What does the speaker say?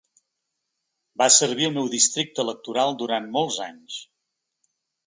Va servir el meu districte electoral durant molts anys.